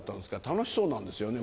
楽しそうなんですよね